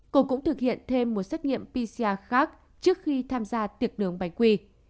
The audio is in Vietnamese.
cô cũng thực hiện thêm một xét nghiệm pcr khác trước khi tham gia tiệc nướng bánh quy